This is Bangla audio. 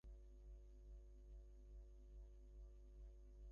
কিন্তু এই যে যাও নি সেই কথাটা কিছুতেই ভুলতে পারছ না।